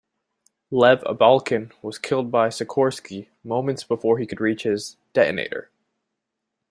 Lev Abalkin was killed by Sikorski moments before he could reach his "detonator".